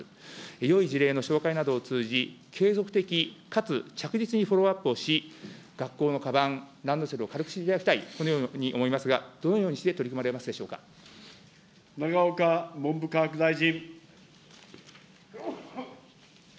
よい事例の紹介などを通じ、継続的かつ着実にフォローアップをし、学校のかばん、ランドセルを軽くしていただきたい、このようにおもいますがどのようにして取り組永岡文部科学大臣。